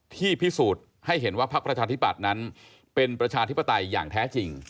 พิสูจน์ให้เห็นว่าพักประชาธิบัตินั้นเป็นประชาธิปไตยอย่างแท้จริง